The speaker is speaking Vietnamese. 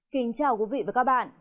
kính chào quý vị và các bạn